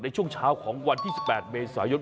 ในช่วงเช้าของวันที่๑๘เมษายน